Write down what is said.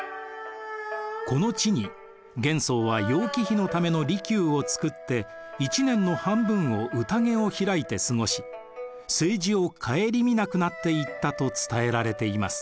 この地に玄宗は楊貴妃のための離宮をつくって一年の半分をうたげを開いて過ごし政治を省みなくなっていったと伝えられています。